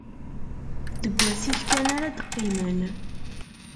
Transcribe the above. Deg wasif kan ara d-qqimen.